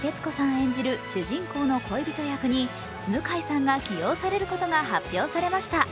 演じる主人公の恋人役に向井さんが起用されることが発表されました。